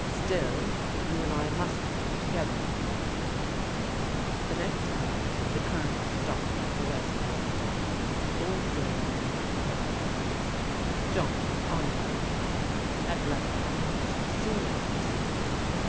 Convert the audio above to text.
Still, you and I must work together, my boy." The next morning the Colonel started for West minster before the girls appeared for breakfast.* John, on the other hand, had left the house soon after six.